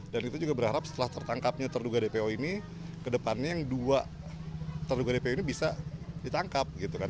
dan kita juga berharap setelah tertangkapnya terduga dpo ini ke depannya yang dua terduga dpo ini bisa ditangkap gitu kan